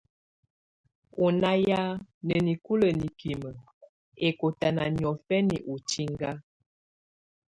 Ɔ na ya na nikulə nikimə ɛkɔtana niɔfɛna ɔ tsinga.